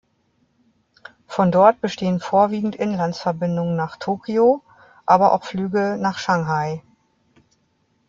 Von dort bestehen vorwiegend Inlandsverbindungen nach Tokyo, aber auch Flüge nach Shanghai.